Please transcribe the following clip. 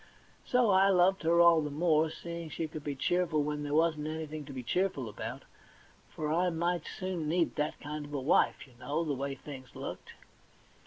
So I loved her all the more, seeing she could be so cheerful when there wasn't anything to be cheerful about ; for I might soon need that kind of wife, you know, the way things looked.